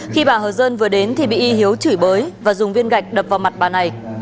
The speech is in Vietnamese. khi bà hờ dân vừa đến thì bị y hiếu chửi bới và dùng viên gạch đập vào mặt bà này